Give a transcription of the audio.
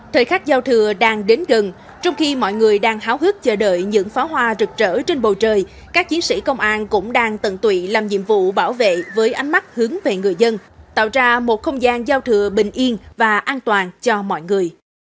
thời khắc giao thừa đang đến gần trong khi mọi người đang háo hức chờ đợi những pháo hoa rực rỡ trên bầu trời các chiến sĩ công an cũng đang tận tụy làm nhiệm vụ bảo vệ với ánh mắt hướng về người dân tạo ra một không gian giao thừa bình yên và an toàn cho mọi người